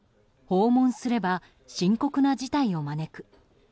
訪問すれば深刻な事態を招く。